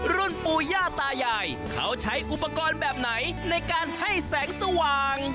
รุ่นปู่ย่าตายายเขาใช้อุปกรณ์แบบไหนในการให้แสงสว่าง